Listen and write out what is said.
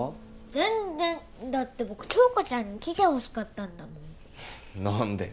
全然だって僕杏花ちゃんに来てほしかったんだもん何で？